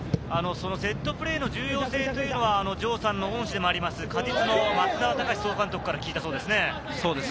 セットプレーの重要性というのは城さんの恩師でもある鹿実の松澤隆司総監督から聞いたそうですね。